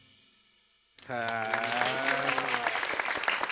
へえ！